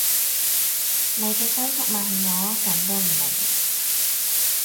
你嘅歸宿咪係我，噉都唔明